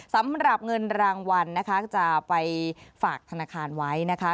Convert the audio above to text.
สำหรับเงินรางวัลนะคะจะไปฝากธนาคารไว้นะคะ